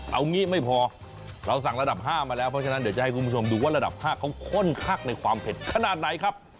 เอางี้ไม่พอเราสั่งระดับ๕มาแล้วเพราะฉะนั้นเดี๋ยวจะให้คุณผู้ชมดูว่าระดับ๕เขาค่อนคักในความเผ็ดขนาดไหนครับ